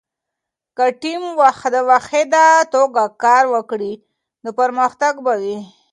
که ټیم په واحده توګه کار وکړي، نو پرمختګ به وي.